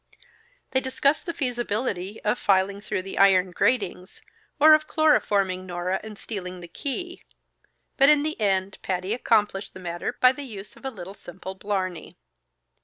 They discussed the feasibility of filing through the iron gratings, or of chloroforming Nora and stealing the key, but in the end Patty accomplished the matter by the use of a little simple blarney.